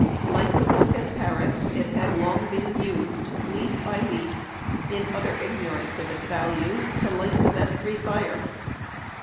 Like the book at Paris, it had long been used, leaf by leaf, in utter ignorance of its value, to light the vestry fire.